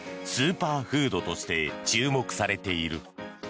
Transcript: スーパーフードとして注目されている。